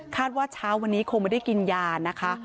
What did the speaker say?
ว่าเช้าวันนี้คงไม่ได้กินยานะคะ